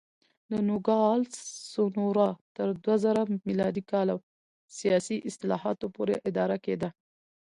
نوګالس سونورا تر دوه زره م کال سیاسي اصلاحاتو پورې اداره کېده.